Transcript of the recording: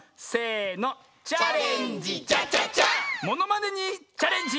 ものまねにチャレンジ！